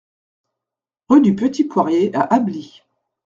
Rue du Petit Poirier à Ablis